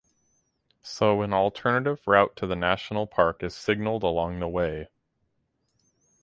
So an alternative route to the national park is signaled along the way.